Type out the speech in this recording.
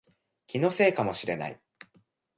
気のせいかもしれない